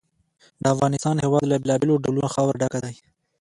د افغانستان هېواد له بېلابېلو ډولونو خاوره ډک دی.